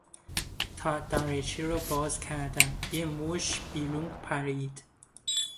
تا دریچه را باز کردم یک موش بیرون پرید.